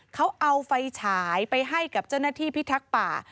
เขาเอาไฟฉายไปให้กับเจ้าหน้าที่พิทักษ์ป่า